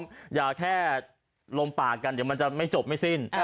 ผมอย่าแค่ลมปากกันเดี๋ยวมันจะไม่จบไม่สิ้น